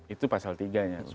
itu pasal tiga nya